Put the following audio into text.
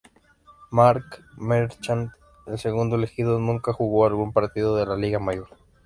Mark Merchant, el segundo elegido, nunca jugó algún partido de la liga mayor.